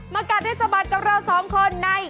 มากัดนายสบานกับเราสองคนใน